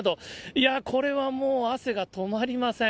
いやぁ、これはもう汗が止まりません。